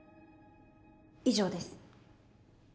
以上です。